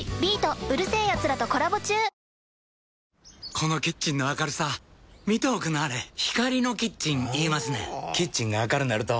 このキッチンの明るさ見ておくんなはれ光のキッチン言いますねんほぉキッチンが明るなると・・・